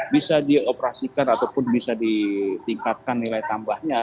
bisa dioperasikan ataupun bisa ditingkatkan nilai tambahnya